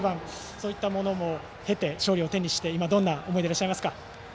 そういったものも経て勝利を手にして今どんな思いでいらっしゃいますか。